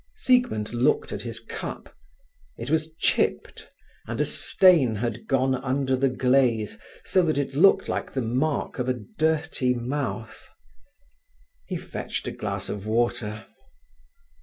Siegmund looked at his cup. It was chipped, and a stain had gone under the glaze, so that it looked like the mark of a dirty mouth. He fetched a glass of water.